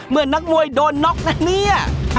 นักมวยโดนน็อกนะเนี่ย